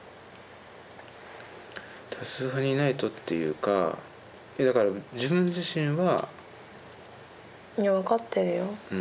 多数派にいないとっていうかだから自分自身は。いや分かってるよ。